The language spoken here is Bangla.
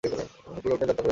কুলগ্নে যাত্রা করিয়াছিলাম!